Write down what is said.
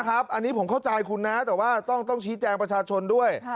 อันนี้ผมเข้าใจคุณนะแต่ว่าต้องชี้แจงประชาชนด้วย